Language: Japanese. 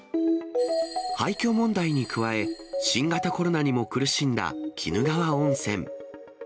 廃虚問題に加え、新型コロナにも苦しんだ鬼怒川温泉。